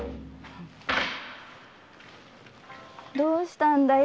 どうしたんだよ。